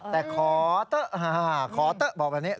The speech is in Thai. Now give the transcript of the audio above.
แต่ขอค่ะบอกได้อันนี้